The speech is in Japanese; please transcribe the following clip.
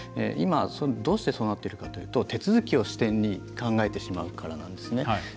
今、どうしてそうなっているかというと手続きを支点に考えてしまうからなんですね。